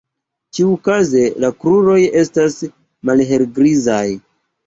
Ĉiukaze la kruroj estas malhelgrizaj.